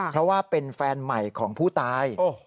เพราะว่าเป็นแฟนใหม่ของผู้ตาย